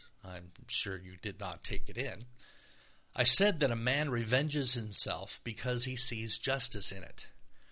(I am sure you did not take it in.) I said that a man revenges himself because he sees justice in it.